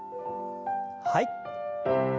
はい。